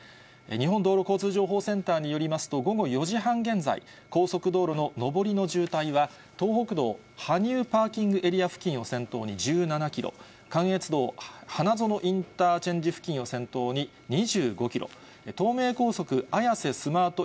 日本道路交通情報センターによりますと、午後４時半現在、高速道路の上りの渋滞は、東北道羽生パーキングエリア付近を先頭に１７キロ、関越道花園インターチェンジ付近を先頭に２５キロ、東名高速綾瀬スマート